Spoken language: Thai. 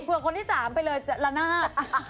หัวคนที่สามไปเลยระหน้า